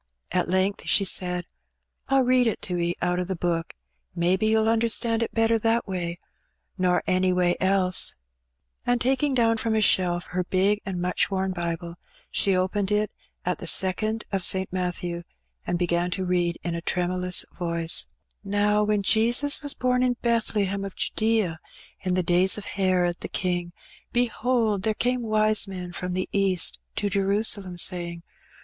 At length she said, "I'll read it to 'e out o' the Book; mebbe you'll understand it better that way nor any way else.^ » In which Benny makes a Discoteet. 57 And, taking down from a shelf her big and much worn Bible, she opened it at the second of St. Matthew, and began to read in a tremulous voice — "Now when Jesua was bom in Bethlehem of Jndsea in the ^ys of Herod the king, behold, there came wise men from the east to Jerusalem, saying.